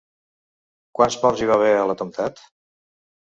Quants morts hi va haver a l'atemptat?